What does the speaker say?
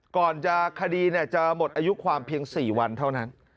คดีจะหมดอายุความเพียง๔วันเท่านั้น